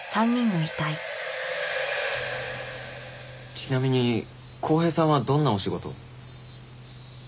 ちなみに康平さんはどんなお仕事を？